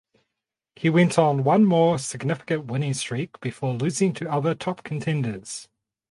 He went on one more significant winning streak before losing to other top contenders.